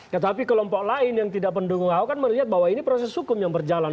tetapi kelompok lain yang tidak pendukung ahok kan melihat bahwa ini proses hukum yang berjalan